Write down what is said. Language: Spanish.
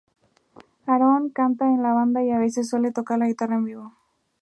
Aaron canta en la banda y a veces suele tocar la guitarra en vivo.